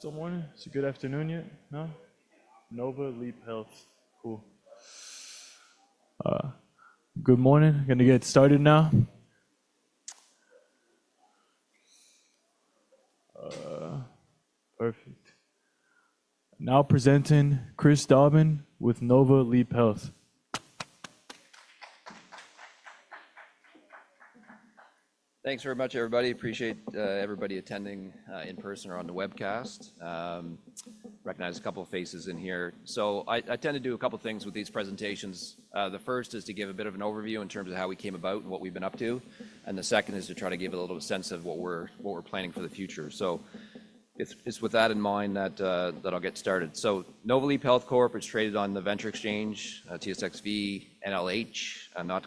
Good morning. Is it good afternoon yet? No? Nova Leap Health. Cool. Good morning. Going to get started now. Perfect. Now presenting Chris Dobbin with Nova Leap Health. Thanks very much, everybody. Appreciate everybody attending in person or on the webcast. Recognize a couple of faces in here. I tend to do a couple of things with these presentations. The first is to give a bit of an overview in terms of how we came about and what we've been up to. The second is to try to give a little sense of what we're planning for the future. It is with that in mind that I'll get started. Nova Leap Health Corp is traded on the venture exchange TSXV:NLH, not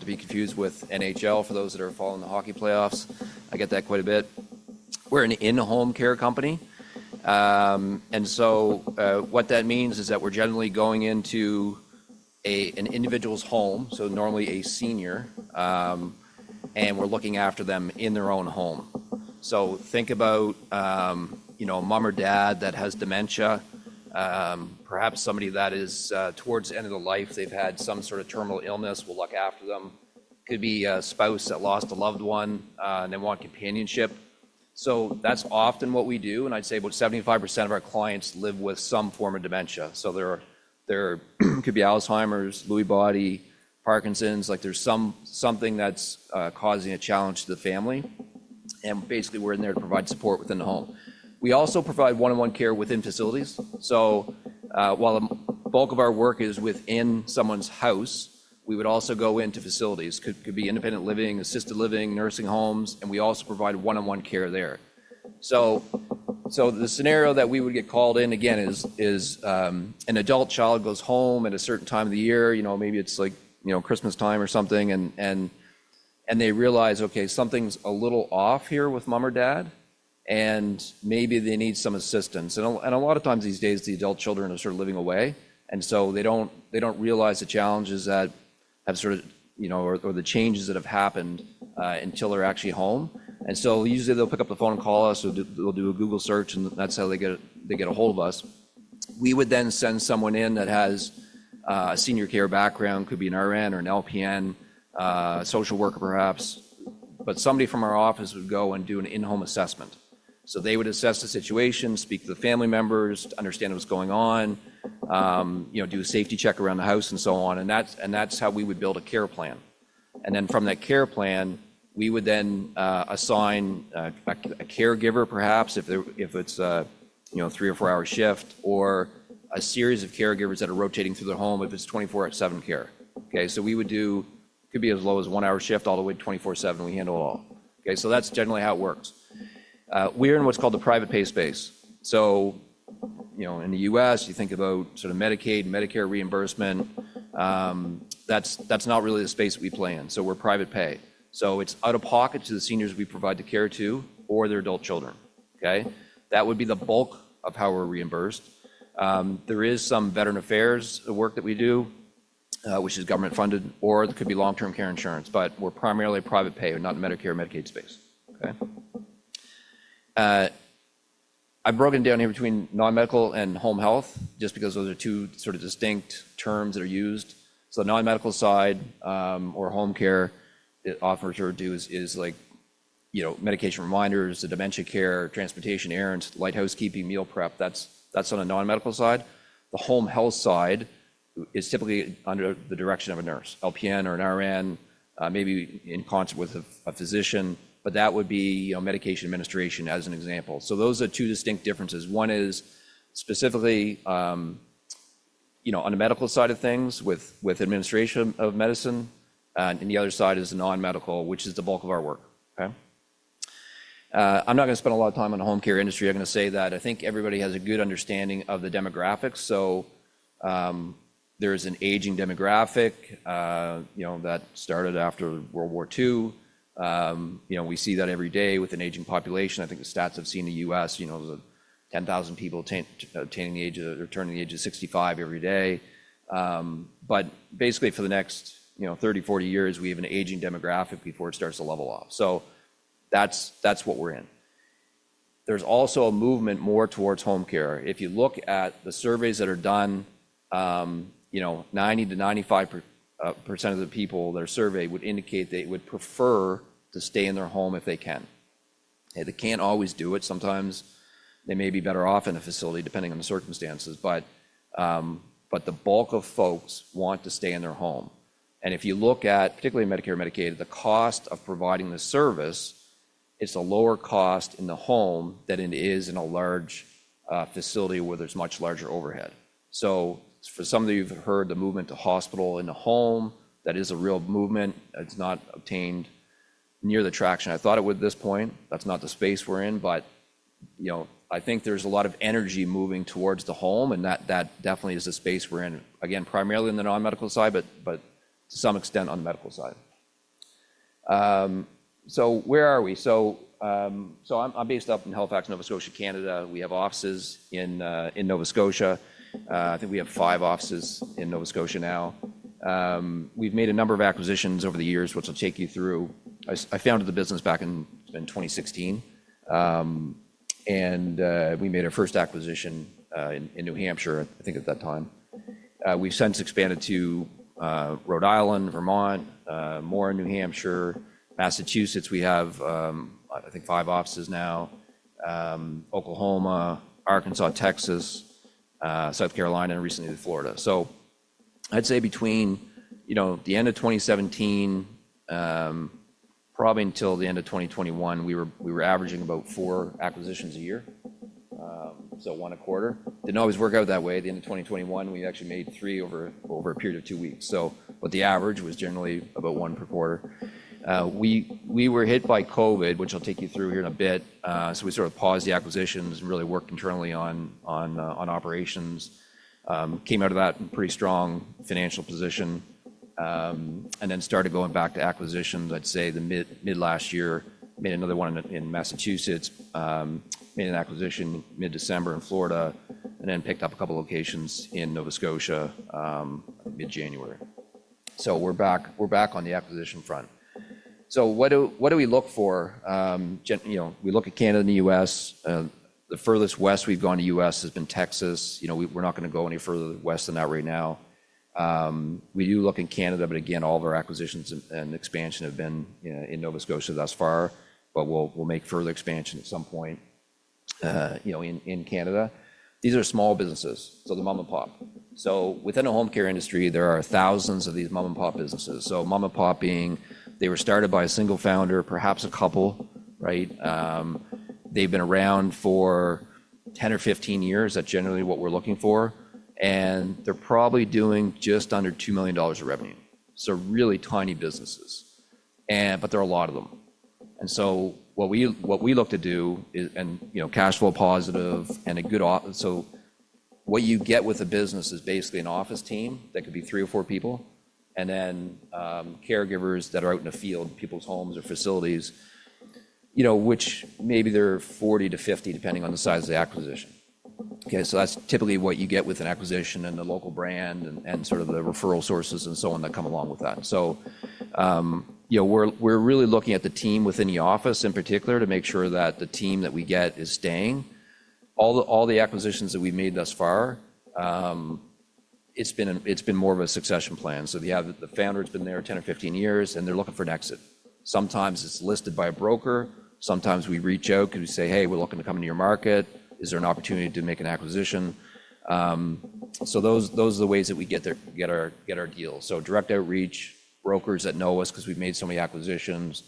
to be confused with NHL for those that are following the hockey playoffs. I get that quite a bit. We're an in-home care company. What that means is that we're generally going into an individual's home, so normally a senior, and we're looking after them in their own home. Think about a mom or dad that has dementia, perhaps somebody that is towards the end of their life, they've had some sort of terminal illness, we'll look after them. Could be a spouse that lost a loved one and they want companionship. That's often what we do. I'd say about 75% of our clients live with some form of dementia. There could be Alzheimer's, Lewy body, Parkinson's. There's something that's causing a challenge to the family. Basically, we're in there to provide support within the home. We also provide one-on-one care within facilities. While the bulk of our work is within someone's house, we would also go into facilities. It could be independent living, assisted living, nursing homes, and we also provide one-on-one care there. The scenario that we would get called in, again, is an adult child goes home at a certain time of the year. Maybe it's Christmas time or something, and they realize, "Okay, something's a little off here with mom or dad," and maybe they need some assistance. A lot of times these days, the adult children are sort of living away. They don't realize the challenges that have sort of or the changes that have happened until they're actually home. Usually, they'll pick up the phone and call us. They'll do a Google search, and that's how they get a hold of us. We would then send someone in that has a senior care background. Could be an RN or an LPN, social worker, perhaps. Somebody from our office would go and do an in-home assessment. They would assess the situation, speak to the family members, understand what's going on, do a safety check around the house, and so on. That's how we would build a care plan. From that care plan, we would then assign a caregiver, perhaps, if it's a 3 or 4-hour shift, or a series of caregivers that are rotating through the home if it's 24/7 care. Okay? We would do, it could be as low as a one-hour shift all the way to 24/7. We handle it all. Okay? That's generally how it works. We're in what's called the private pay space. In the U.S., you think about sort of Medicaid, Medicare reimbursement. That's not really the space we play in. We're private pay. It's out of pocket to the seniors we provide the care to or their adult children. Okay? That would be the bulk of how we're reimbursed. There is some Veteran Affairs work that we do, which is government-funded, or it could be long-term care insurance. But we're primarily private payer, not in the Medicare or Medicaid space. Okay? I've broken down here between non-medical and home health just because those are two sort of distinct terms that are used. The non-medical side or home care, often what you'll do is medication reminders, the dementia care, transportation, errands, light housekeeping, meal prep. That's on the non-medical side. The home health side is typically under the direction of a nurse, LPN or an RN, maybe in concert with a physician. That would be medication administration as an example. Those are two distinct differences. One is specifically on the medical side of things with administration of medicine. The other side is non-medical, which is the bulk of our work. Okay? I'm not going to spend a lot of time on the home care industry. I think everybody has a good understanding of the demographics. There is an aging demographic that started after World War II. We see that every day with an aging population. I think the stats have seen the U.S., 10,000 people turning the age of 65 every day. Basically, for the next 30-40 years, we have an aging demographic before it starts to level off. That is what we're in. There is also a movement more towards home care. If you look at the surveys that are done, 90%-95% of the people that are surveyed would indicate they would prefer to stay in their home if they can. They can't always do it. Sometimes they may be better off in a facility depending on the circumstances. The bulk of folks want to stay in their home. If you look at, particularly in Medicare and Medicaid, the cost of providing the service, it's a lower cost in the home than it is in a large facility where there's much larger overhead. For some of you who've heard the movement to hospital in the home, that is a real movement. It's not obtained near the traction I thought it would at this point. That's not the space we're in. I think there's a lot of energy moving towards the home. That definitely is the space we're in, again, primarily on the non-medical side, but to some extent on the medical side. Where are we? I'm based up in Halifax, Nova Scotia, Canada. We have offices in Nova Scotia. I think we have five offices in Nova Scotia now. We've made a number of acquisitions over the years, which I'll take you through. I founded the business back in 2016. We made our first acquisition in New Hampshire, I think, at that time. We've since expanded to Rhode Island, Vermont, more in New Hampshire. Massachusetts, we have, I think, five offices now. Oklahoma, Arkansas, Texas, South Carolina, and recently to Florida. I'd say between the end of 2017, probably until the end of 2021, we were averaging about 4 acquisitions a year, so one a quarter. Didn't always work out that way. At the end of 2021, we actually made 3 over a period of 2 weeks. The average was generally about one per quarter. We were hit by COVID, which I'll take you through here in a bit. We sort of paused the acquisitions and really worked internally on operations. Came out of that in a pretty strong financial position. Then started going back to acquisitions, I'd say, mid-last year. Made another one in Massachusetts. Made an acquisition mid-December in Florida. Picked up a couple of locations in Nova Scotia mid-January. We're back on the acquisition front. What do we look for? We look at Canada and the U.S. The furthest west we've gone in the U.S. has been Texas. We're not going to go any further west than that right now. We do look in Canada, but again, all of our acquisitions and expansion have been in Nova Scotia thus far. We'll make further expansion at some point in Canada. These are small businesses, so the mom-and-pop. Within the home care industry, there are thousands of these mom-and-pop businesses. Mom-and-pop, they were started by a single founder, perhaps a couple. Right? They've been around for 10 or 15 years. That's generally what we're looking for. They're probably doing just under $2 million of revenue. Really tiny businesses. There are a lot of them. What we look to do is cash flow positive and a good, so what you get with a business is basically an office team that could be 3 or 4 people, and then caregivers that are out in the field, people's homes or facilities, which maybe they're 40-50 depending on the size of the acquisition. That's typically what you get with an acquisition and the local brand and sort of the referral sources and so on that come along with that. We're really looking at the team within the office in particular to make sure that the team that we get is staying. All the acquisitions that we've made thus far, it's been more of a succession plan. The founder has been there 10 or 15 years, and they're looking for an exit. Sometimes it's listed by a broker. Sometimes we reach out because we say, "Hey, we're looking to come into your market. Is there an opportunity to make an acquisition?" Those are the ways that we get our deals. Direct outreach, brokers that know us because we've made so many acquisitions,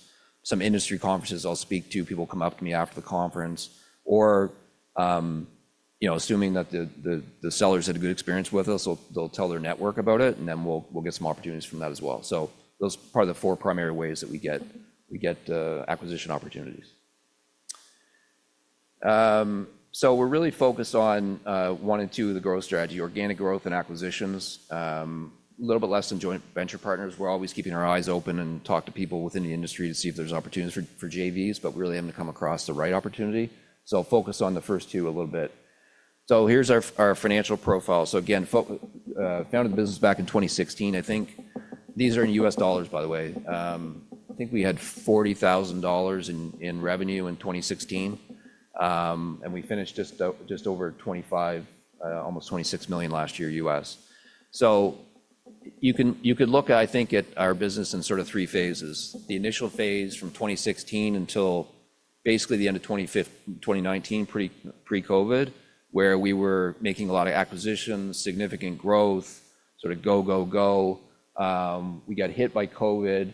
some industry conferences I'll speak to, people come up to me after the conference. Assuming that the sellers had a good experience with us, they'll tell their network about it, and then we'll get some opportunities from that as well. Those are probably the four primary ways that we get acquisition opportunities. We're really focused on one and two of the growth strategy, organic growth and acquisitions. A little bit less than joint venture partners. We're always keeping our eyes open and talk to people within the industry to see if there's opportunities for JVs, but we really haven't come across the right opportunity. I'll focus on the first two a little bit. Here's our financial profile. Again, founded the business back in 2016. I think these are in USD, by the way. I think we had $40,000 in revenue in 2016. We finished just over $25 million, almost $26 million last year U.S. You could look, I think, at our business in sort of three phases. The initial phase from 2016 until basically the end of 2019, pre-COVID, where we were making a lot of acquisitions, significant growth, sort of go, go, go. We got hit by COVID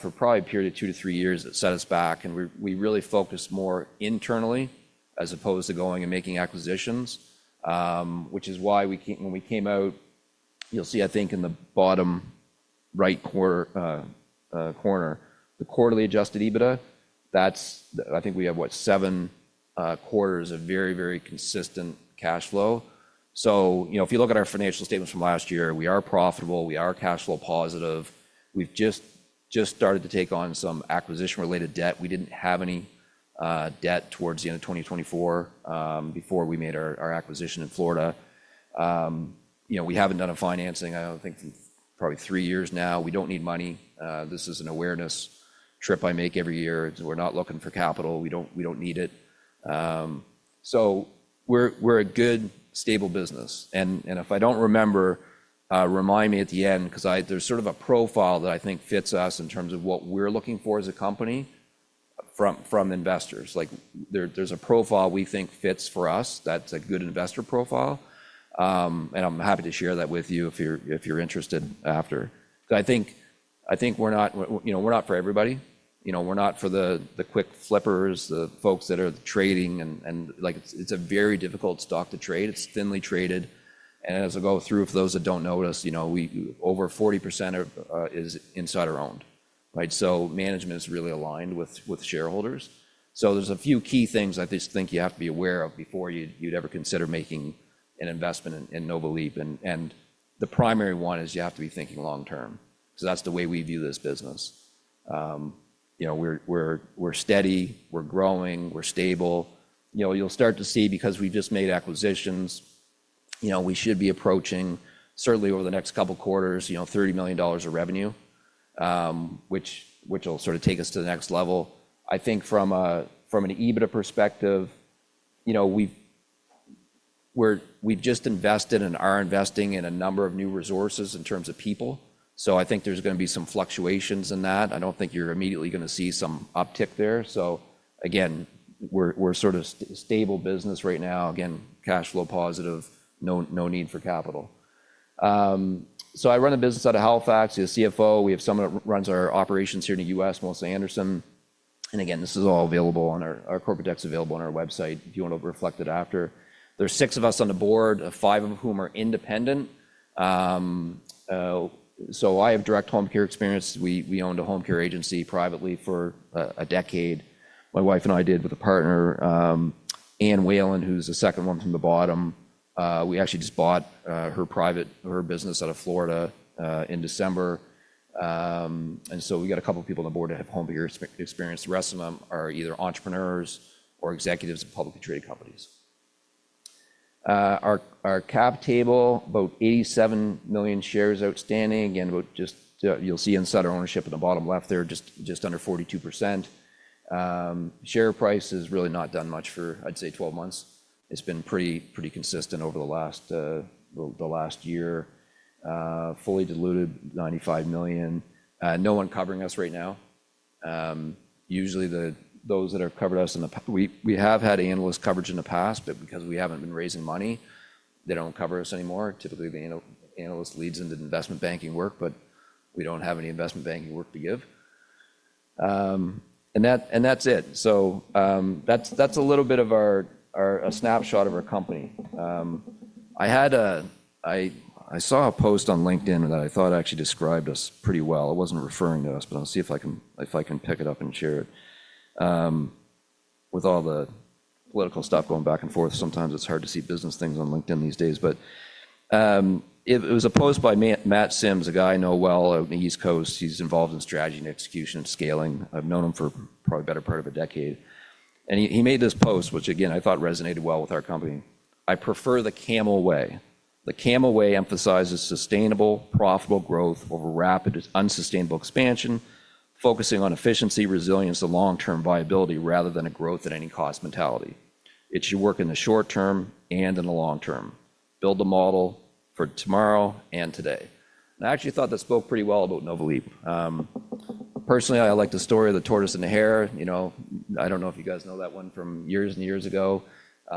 for probably a period of 2-3 years that set us back. We really focused more internally as opposed to going and making acquisitions, which is why when we came out, you'll see, I think, in the bottom right corner, the quarterly adjusted EBITDA, that's I think we have, what, seven quarters of very, very consistent cash flow. If you look at our financial statements from last year, we are profitable. We are cash flow positive. We've just started to take on some acquisition-related debt. We didn't have any debt towards the end of 2024 before we made our acquisition in Florida. We haven't done a financing, I don't think, in probably three years now. We don't need money. This is an awareness trip I make every year. We're not looking for capital. We don't need it. We're a good, stable business. If I don't remember, remind me at the end because there's sort of a profile that I think fits us in terms of what we're looking for as a company from investors. There's a profile we think fits for us that's a good investor profile. I'm happy to share that with you if you're interested after. I think we're not for everybody. We're not for the quick flippers, the folks that are trading. It's a very difficult stock to trade. It's thinly traded. As I go through, for those that don't know us, over 40% is insider-owned. Right? Management is really aligned with shareholders. There are a few key things I just think you have to be aware of before you'd ever consider making an investment in Nova Leap. The primary one is you have to be thinking long-term because that's the way we view this business. We're steady. We're growing. We're stable. You'll start to see because we've just made acquisitions, we should be approaching, certainly over the next couple of quarters, $30 million of revenue, which will sort of take us to the next level. I think from an EBITDA perspective, we've just invested and are investing in a number of new resources in terms of people. I think there's going to be some fluctuations in that. I don't think you're immediately going to see some uptick there. Again, we're sort of stable business right now. Again, cash flow positive, no need for capital. I run a business out of Halifax. He's a CFO. We have someone that runs our operations here in the U.S., Melissa Anderson. Again, this is all available on our corporate text available on our website if you want to reflect it after. There are 6 of us on the board, 5 of whom are independent. I have direct home care experience. We owned a home care agency privately for a decade. My wife and I did with a partner, Anne Whelan, who's the second one from the bottom. We actually just bought her business out of Florida in December. We got a couple of people on the board to have home care experience. The rest of them are either entrepreneurs or executives of publicly traded companies. Our cap table, about 87 million shares outstanding. Again, about just you'll see insider ownership in the bottom left there, just under 42%. Share price has really not done much for, I'd say, 12 months. It's been pretty consistent over the last year. Fully diluted, 95 million. No one covering us right now. Usually, those that have covered us in the past, we have had analyst coverage in the past, but because we haven't been raising money, they don't cover us anymore. Typically, the analyst leads into investment banking work, but we don't have any investment banking work to give. That's it. That's a little bit of a snapshot of our company. I saw a post on LinkedIn that I thought actually described us pretty well. It wasn't referring to us, but I'll see if I can pick it up and share it. With all the political stuff going back and forth, sometimes it's hard to see business things on LinkedIn these days. It was a post by Matt Symes, a guy I know well on the East Coast. He's involved in strategy and execution and scaling. I've known him for probably the better part of a decade. He made this post, which again, I thought resonated well with our company. I prefer the Camel Way. The Camel Way emphasizes sustainable, profitable growth over rapid, unsustainable expansion, focusing on efficiency, resilience, and long-term viability rather than a growth at any cost mentality. It should work in the short term and in the long term. Build a model for tomorrow and today. I actually thought that spoke pretty well about Nova Leap. Personally, I like the story of the tortoise and the hare. I don't know if you guys know that one from years and years ago.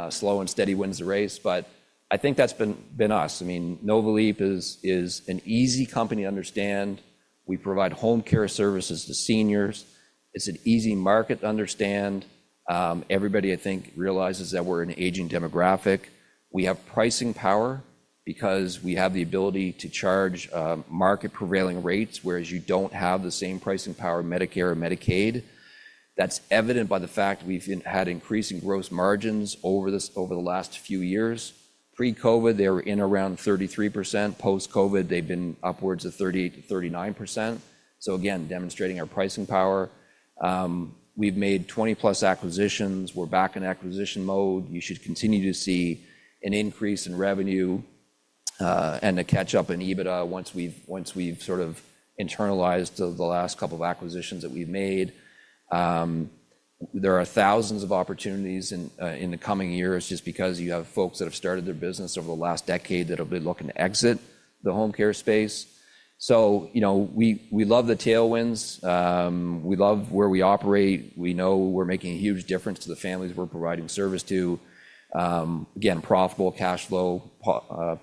Slow and steady wins the race. I think that's been us. I mean, Nova Leap is an easy company to understand. We provide home care services to seniors. It's an easy market to understand. Everybody, I think, realizes that we're an aging demographic. We have pricing power because we have the ability to charge market-prevailing rates, whereas you don't have the same pricing power, Medicare and Medicaid. That's evident by the fact we've had increasing gross margins over the last few years. Pre-COVID, they were in around 33%. Post-COVID, they've been upwards of 38%-39%. Again, demonstrating our pricing power. We've made 20+ acquisitions. We're back in acquisition mode. You should continue to see an increase in revenue and a catch-up in EBITDA once we've sort of internalized the last couple of acquisitions that we've made. There are thousands of opportunities in the coming years just because you have folks that have started their business over the last decade that have been looking to exit the home care space. We love the tailwinds. We love where we operate. We know we're making a huge difference to the families we're providing service to. Again, profitable, cash flow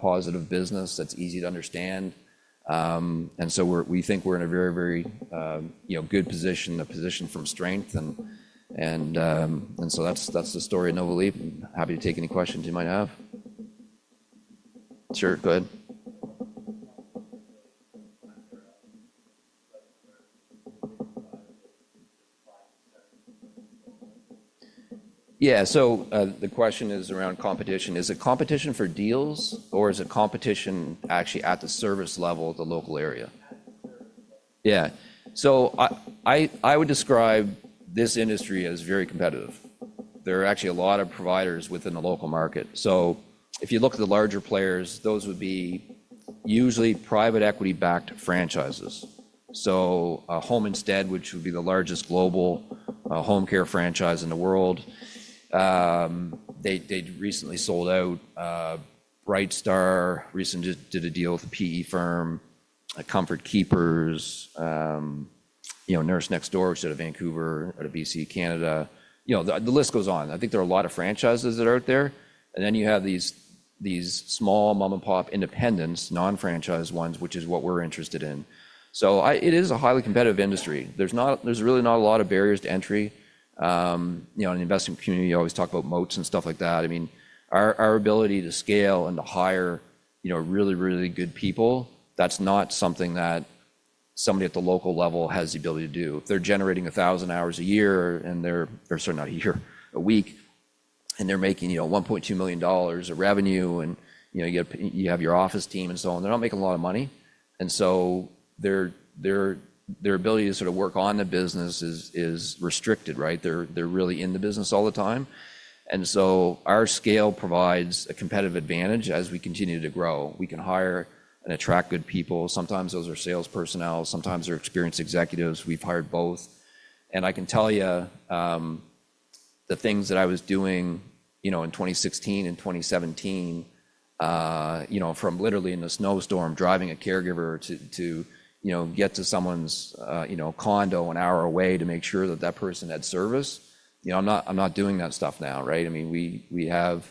positive business that's easy to understand. We think we're in a very, very good position, a position from strength. That's the story of Nova Leap. I'm happy to take any questions you might have. Sure. Go ahead. Yeah. The question is around competition. Is it competition for deals, or is it competition actually at the service level of the local area? Yeah. I would describe this industry as very competitive. There are actually a lot of providers within the local market. If you look at the larger players, those would be usually private equity-backed franchises. Home Instead, which would be the largest global home care franchise in the world, they recently sold out. BrightStar recently did a deal with a PE firm, Comfort Keepers, Nurse Next Door out of Vancouver, BC, Canada. The list goes on. I think there are a lot of franchises that are out there. Then you have these small mom-and-pop independents, non-franchise ones, which is what we're interested in. It is a highly competitive industry. There's really not a lot of barriers to entry. In the investment community, you always talk about moats and stuff like that. I mean, our ability to scale and to hire really, really good people, that's not something that somebody at the local level has the ability to do. If they're generating 1,000 hours a week, and they're making $1.2 million of revenue, and you have your office team and so on, they're not making a lot of money. Their ability to sort of work on the business is restricted, right? They're really in the business all the time. Our scale provides a competitive advantage as we continue to grow. We can hire and attract good people. Sometimes those are sales personnel. Sometimes they're experienced executives. We've hired both. I can tell you the things that I was doing in 2016 and 2017, from literally in the snowstorm, driving a caregiver to get to someone's condo an hour away to make sure that that person had service. I'm not doing that stuff now, right? I mean, we have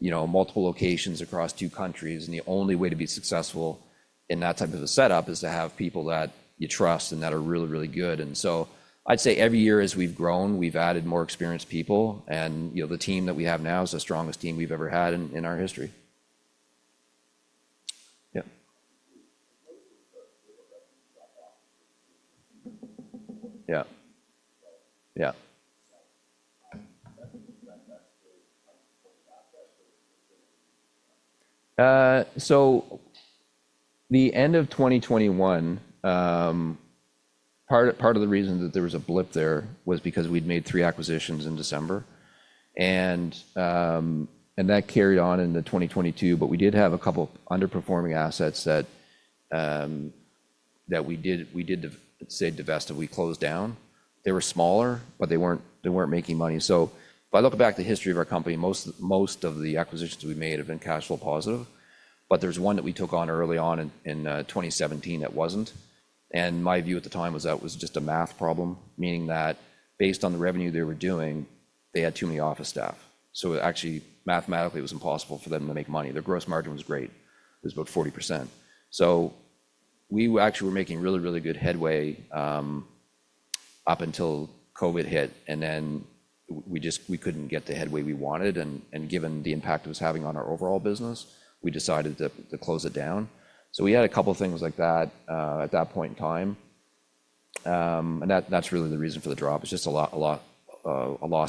multiple locations across two countries. The only way to be successful in that type of a setup is to have people that you trust and that are really, really good. I'd say every year as we've grown, we've added more experienced people. The team that we have now is the strongest team we've ever had in our history. Yeah. Yeah. Yeah. The end of 2021, part of the reason that there was a blip there was because we'd made three acquisitions in December. That carried on into 2022. We did have a couple of underperforming assets that we did say divest if we closed down. They were smaller, but they were not making money. If I look back at the history of our company, most of the acquisitions we made have been cash flow positive. There is one that we took on early on in 2017 that was not. My view at the time was that was just a math problem, meaning that based on the revenue they were doing, they had too many office staff. Actually, mathematically, it was impossible for them to make money. Their gross margin was great. It was about 40%. We actually were making really, really good headway up until COVID hit. We could not get the headway we wanted. Given the impact it was having on our overall business, we decided to close it down. We had a couple of things like that at that point in time. That is really the reason for the drop. It is just a loss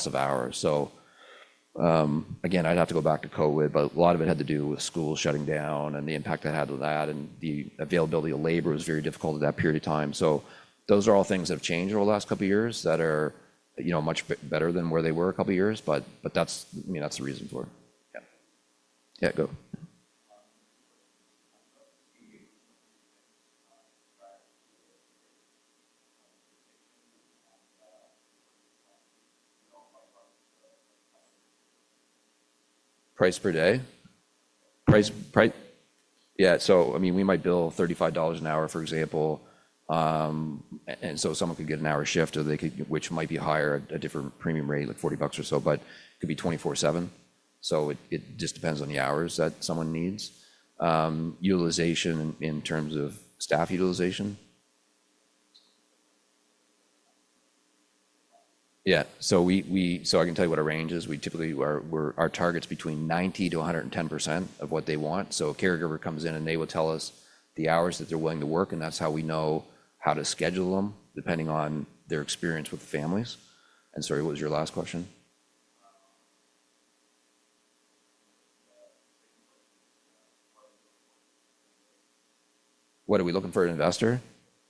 of hours. Again, I would have to go back to COVID, but a lot of it had to do with schools shutting down and the impact that had on that. The availability of labor was very difficult at that period of time. Those are all things that have changed over the last couple of years that are much better than where they were a couple of years ago. That is the reason for it. Yeah. Yeah. Go. Price per day. Price? Yeah. I mean, we might bill $35 an hour, for example. Someone could get an hour shift, which might be higher, a different premium rate, like $40 or so, but it could be 24/7. It just depends on the hours that someone needs. Utilization in terms of staff utilization. Yeah. I can tell you what our range is. Typically, our target's between 90%-110% of what they want. A caregiver comes in, and they will tell us the hours that they're willing to work. That's how we know how to schedule them depending on their experience with the families. Sorry, what was your last question? What are we looking for in an investor?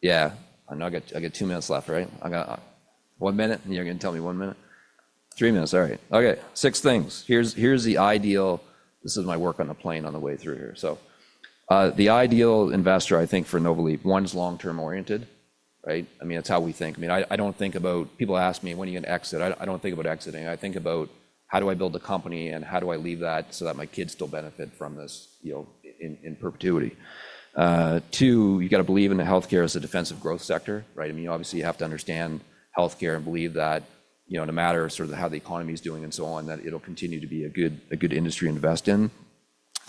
Yeah. I got two minutes left, right? One minute? You're going to tell me one minute? Three minutes. All right. Okay. Six things. Here's the ideal—this is my work on the plane on the way through here. The ideal investor, I think, for Nova Leap, one's long-term oriented, right? I mean, that's how we think. I mean, I don't think about people ask me, "When are you going to exit?" I don't think about exiting. I think about, "How do I build a company and how do I leave that so that my kids still benefit from this in perpetuity?" Two, you've got to believe in the healthcare as a defensive growth sector, right? I mean, obviously, you have to understand healthcare and believe that no matter sort of how the economy is doing and so on, that it'll continue to be a good industry to invest in.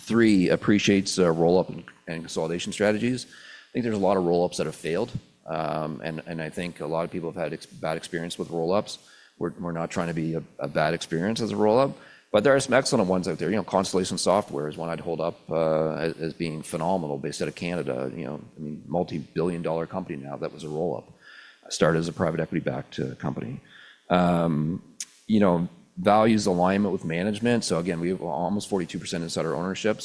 Three, appreciates roll-up and consolidation strategies. I think there's a lot of roll-ups that have failed. I think a lot of people have had bad experience with roll-ups. We're not trying to be a bad experience as a roll-up. There are some excellent ones out there. Constellation Software is one I'd hold up as being phenomenal based out of Canada. I mean, multi-billion dollar company now that was a roll-up. I started as a private equity-backed company. Values alignment with management. Again, we have almost 42% insider ownership.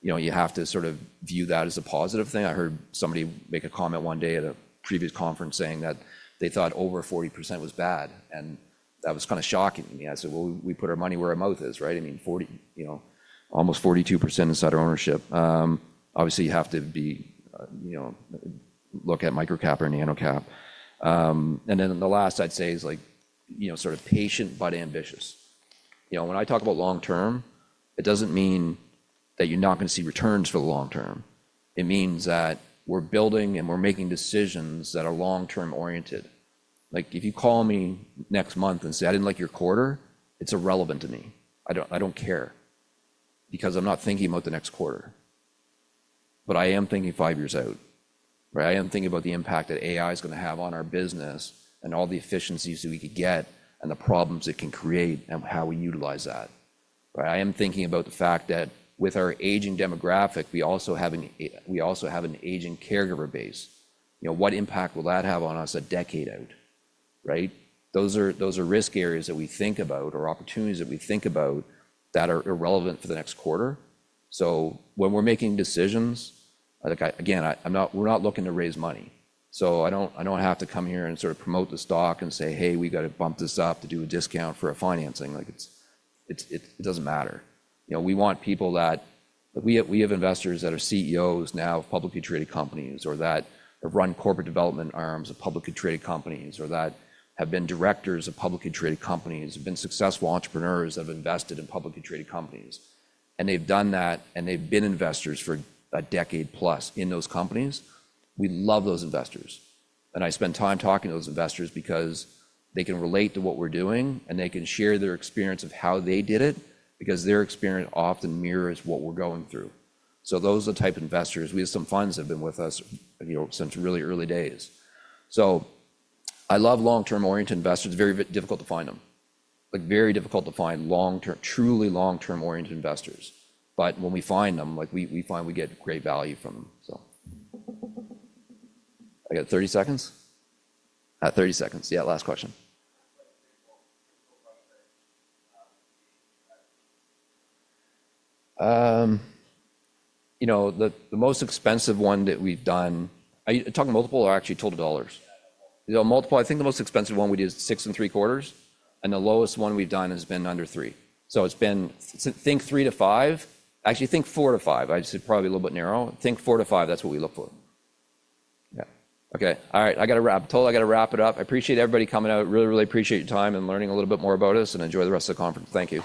You have to sort of view that as a positive thing. I heard somebody make a comment one day at a previous conference saying that they thought over 40% was bad. That was kind of shocking. I said, "We put our money where our mouth is," right? I mean, almost 42% insider ownership. Obviously, you have to look at micro-cap or nano-cap. The last I'd say is sort of patient but ambitious. When I talk about long-term, it doesn't mean that you're not going to see returns for the long-term. It means that we're building and we're making decisions that are long-term oriented. If you call me next month and say, "I didn't like your quarter," it's irrelevant to me. I don't care because I'm not thinking about the next quarter. I am thinking 5 years out, right? I am thinking about the impact that AI is going to have on our business and all the efficiencies that we could get and the problems it can create and how we utilize that, right? I am thinking about the fact that with our aging demographic, we also have an aging caregiver base. What impact will that have on us a decade out, right? Those are risk areas that we think about or opportunities that we think about that are irrelevant for the next quarter. When we're making decisions, again, we're not looking to raise money. I don't have to come here and sort of promote the stock and say, "Hey, we got to bump this up to do a discount for our financing." It doesn't matter. We want people that we have investors that are CEOs now of publicly traded companies or that have run corporate development arms of publicly traded companies or that have been directors of publicly traded companies, have been successful entrepreneurs that have invested in publicly traded companies. And they've done that, and they've been investors for a decade plus in those companies. We love those investors. I spend time talking to those investors because they can relate to what we're doing, and they can share their experience of how they did it because their experience often mirrors what we're going through. Those are the type of investors. We have some funds that have been with us since really early days. I love long-term oriented investors. Very difficult to find them. Very difficult to find truly long-term oriented investors. When we find them, we find we get great value from them. I got 30 seconds? Thirty seconds. Yeah. Last question. The most expensive one that we've done. I talk multiple or actually total dollars? Multiple. I think the most expensive one we did is 6 and 3 quarters. The lowest one we've done has been under 3. Think 3-5. Actually, think 4-5. I said probably a little bit narrow. Think four to five. That's what we look for. Yeah. Okay. All right. I got to wrap. I told you I got to wrap it up. I appreciate everybody coming out. Really, really appreciate your time and learning a little bit more about us and enjoy the rest of the conference. Thank you.